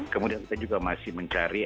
kemudian kita juga masih mencari